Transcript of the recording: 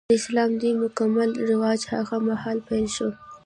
د اسلام دین مکمل رواج هغه مهال پیل شو.